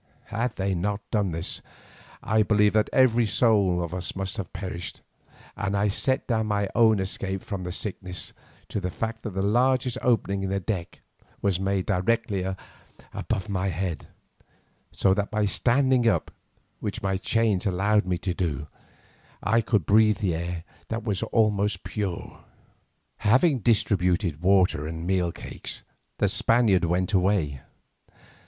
Had they not done this I believe that every soul of us must have perished, and I set down my own escape from the sickness to the fact that the largest opening in the deck was made directly above my head, so that by standing up, which my chains allowed me to do, I could breathe air that was almost pure. Having distributed water and meal cakes, the Spaniards went away.